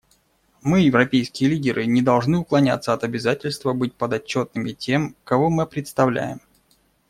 Мы, европейские лидеры, не должны уклоняться от обязательства быть подотчетными тем, кого мы представляем.